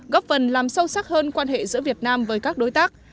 góp phần làm sâu sắc hơn quan hệ giữa việt nam với các đối tác